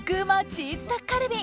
チーズタッカルビ。